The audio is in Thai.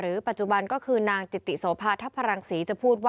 หรือปัจจุบันก็คือนางจิตติโสภาษิริวัลทัพภรังศรีจะพูดว่า